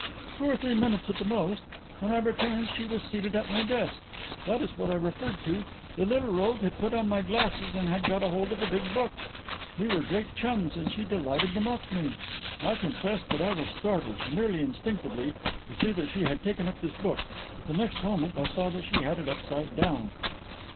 "Two or three minutes at the most. When I returned she was seated at my desk. That was what I referred to. The little rogue had put on my glasses and had got hold of a big book. We were great chums, and she delighted to mock me. I confess that I was startled merely instinctively to see that she had taken up this book, but the next moment I saw that she had it upside down."